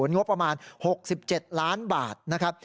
งบประมาณ๖๗ล้านบาทนะครับ